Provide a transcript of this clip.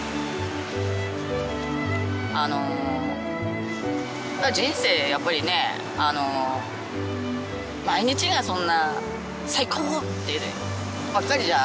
あの人生やっぱりねあの毎日がそんな「最高！」ってばっかりじゃ